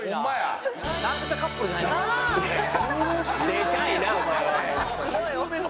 でかいなお前は本当に。